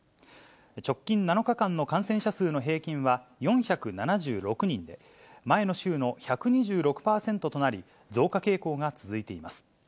直近７日間の感染者数の平均は４７６人で、前の週の１２６％となり、増加傾向が続いています。